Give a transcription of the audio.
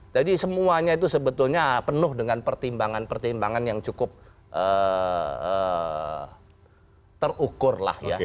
jadi semuanya itu sebetulnya penuh dengan pertimbangan pertimbangan yang cukup terukur lah ya